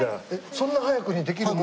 そんな早くにできるもの？